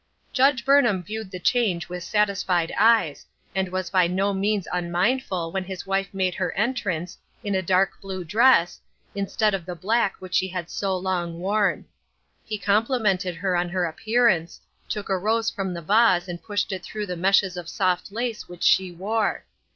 Judge Burnham viewed the change with satisfied eyes, and was by no means unmindful when his wife made her entrance, in a dark blue dress, in stead of the black which she had so long worn. He complimented her on her appearance — took a rose from the vase and pushed it through the meshes of soft lace which she wore.